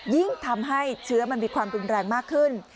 ยิ่งทำให้เชื้อมันมีความรุนแรงมากขึ้น